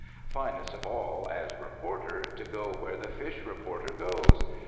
Finest of all, as reporter, to go where the fish reporter goes.